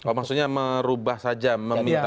oh maksudnya merubah saja meminta